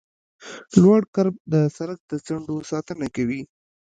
لوړ کرب د سرک د څنډو ساتنه کوي